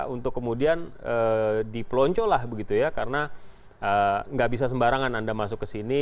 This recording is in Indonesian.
untuk kemudian dipeloncolah begitu ya karena nggak bisa sembarangan anda masuk ke sini